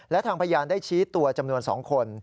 และทางพยานได้ชี้ตัวจำนวน๒คน